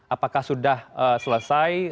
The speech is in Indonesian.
apakah sudah selesai